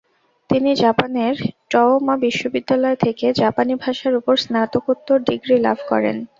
তিনি জাপানের টয়োমা বিশ্ববিদ্যালয় থেকে জাপানি ভাষার ওপর স্নাতকোত্তর ডিগ্রি লাভ করেন।